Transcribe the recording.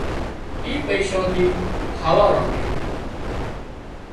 اِي پئيشا ٿي کاوا رنڌيون